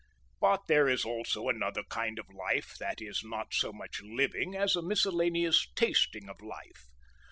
But there is also another kind of life that is not so much living as a miscellaneous tasting of life.